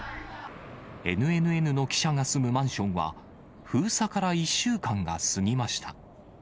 ＮＮＮの記者が住むマンションは、封鎖から１週間が過ぎました。